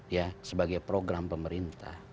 ya sebagai program pemerintah